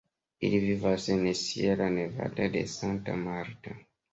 Ili vivas en Sierra Nevada de Santa Marta.